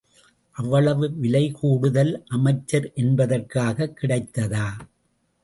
அவ்வளவு விலை கூடுதல் அமைச்சர் என்பதற்காகக் கிடைத்ததா?